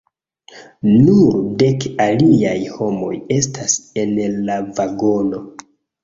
Nur dek aliaj homoj estas en la vagono.